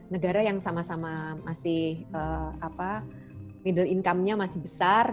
negara yang sama sama masih middle income nya masih besar